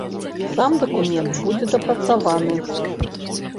Сам дакумент будзе дапрацаваны.